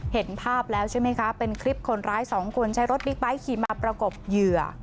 เห็นภาพแล้วใช่ไหมคะเป็นคลิปคนร้ายสองคนใช้รถบิ๊กไบท์ขี่มาประกบเหยื่อ